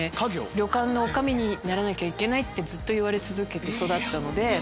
旅館の女将にならなきゃいけないってずっと言われ続けて育ったので。